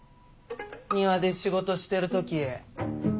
庭で仕事してる時。